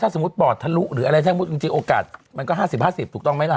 สมมุติปอดทะลุหรืออะไรถ้ามุติจริงโอกาสมันก็๕๐๕๐ถูกต้องไหมล่ะ